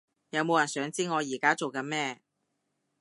有冇人想知我而家做緊咩？